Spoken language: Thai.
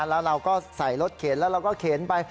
แล้วเราก็ใส่รถเข็นแล้วเราก็เข็นไป